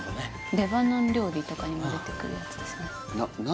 レバノン料理とかにも出てくるやつですねな何？